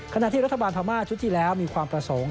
ขณะที่รัฐบาลพม่าชุดที่แล้วมีความประสงค์